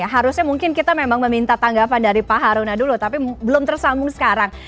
harusnya mungkin kita memang meminta tanggapan dari pak haruna dulu tapi belum tersambung sekarang